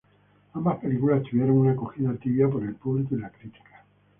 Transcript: Ambas películas tuvieron una acogida tibia por el público y la crítica.